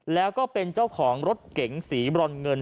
แล้วก็เป็นเจ้าของรถเก๋งสีบรอนเงิน